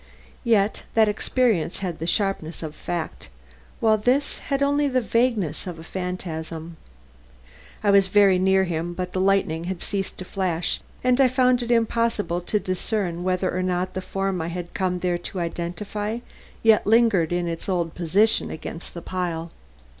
Yet, that experience had the sharpness of fact; while this had only the vagueness of a phantasm. I was very near him but the lightning had ceased to flash, and I found it impossible to discern whether or not the form I had come there to identify, yet lingered in its old position against the pile.